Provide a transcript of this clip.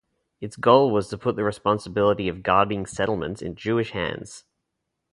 Its goal was to put the responsibility of guarding settlements in Jewish hands.